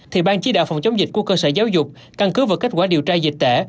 thì ban chỉ đạo phòng chống dịch của cơ sở giáo dục căn cứ vào kết quả điều tra dịch tễ